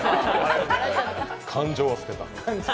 感情は捨てた。